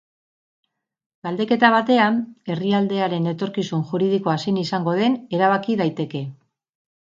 Galdeketa batean herrialdearen etorkizun juridikoa zein izango den erabaki daiteke.